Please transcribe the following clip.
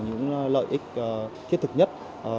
những lợi ích thiết thực nhất